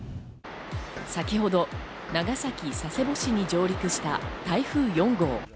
先ほど長崎佐世保市に上陸した台風４号。